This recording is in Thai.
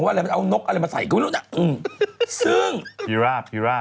ทำผมว่าเอานกอะไรมาใส่กันไว้หรอกนะซึ่งพิราบ